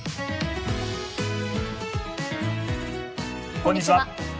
こんにちは。